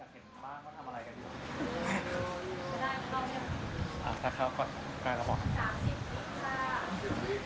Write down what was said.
กลับมาที่นี่